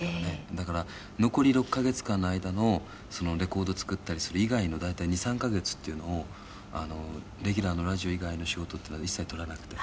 だから、残り６カ月間の間のレコードを作ったりする以外の大体２３カ月っていうのをレギュラーのラジオ以外の仕事っていうのは、一切取らなくて。